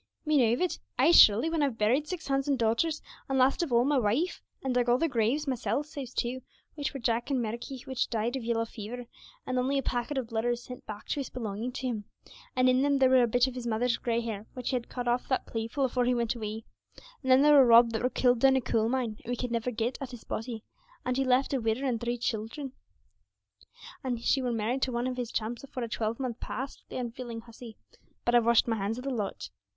'Me know of it! Ay, surely, when I've buried six sons and daughters, and last of all my woife, and dug all their graves mysel', save two, which were Jack in Mericky, which died of yellow fever, and only a packet of letters sent back to us belonging to him, and in them there were a bit o' his mother's grey hair which he had cut off that playful afore he went away; and then there were Rob, that were killed down a coal mine, and we could never get at his body, and he left a widder and three childer, and she were married to one o' his chums afore a twelvemonth past the unfeeling hussy; but I've washed my hands of the lot.